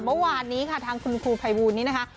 เมื่อวานนี้ค่ะทางคุณครูภัยบูลนี้นะคะ